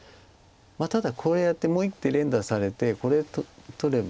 ただこうやってもう１手連打されてこれ取れば。